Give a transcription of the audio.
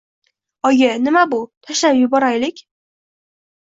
Oyi, nima bu, tashlab yuboraylik.